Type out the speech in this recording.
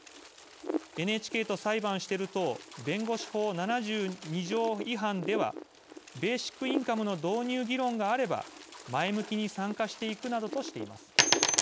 「ＮＨＫと裁判してる党弁護士法７２条違反で」はベーシックインカムの導入議論があれば前向きに参加していくなどとしています。